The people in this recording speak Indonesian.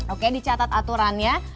oke dicatat aturannya